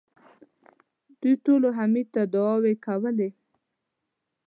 دوی ټولو حميد ته دعاوې کولې.